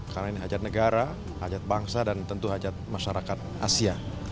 karena ini hajat negara hajat bangsa dan tentu hajat masyarakat asia